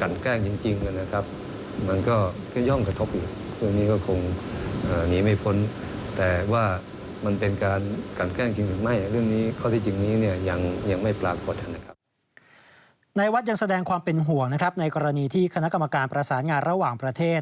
นายวัดยังแสดงความเป็นห่วงนะครับในกรณีที่คณะกรรมการประสานงานระหว่างประเทศ